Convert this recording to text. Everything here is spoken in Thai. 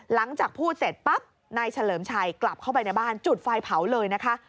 หลังจากพูดเสร็จปั๊บนายเฉลิมชัยกลับเข้าไปในบ้านจุดไฟเผาเลยนะคะ